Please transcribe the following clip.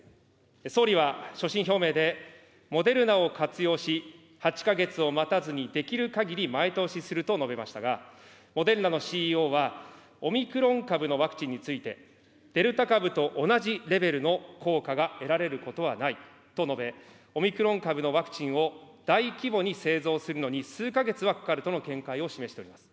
総理は所信表明で、モデルナを活用し、８か月を待たずにできるかぎり前倒しすると述べましたが、モデルナのＣＥＯは、オミクロン株のワクチンについて、デルタ株と同じレベルの効果が得られることはないと述べ、オミクロン株のワクチンを大規模に製造するのに数か月はかかるとの見解を示しております。